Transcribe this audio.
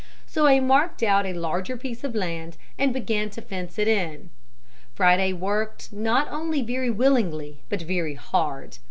So I marked out a larger piece of land and began to fence it in. Friday worked not only very willingly but very hard.